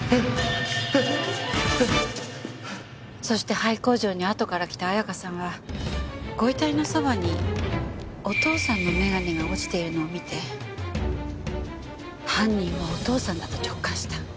そして廃工場にあとから来た彩華さんはご遺体のそばにお父さんの眼鏡が落ちているのを見て犯人はお父さんだと直感した。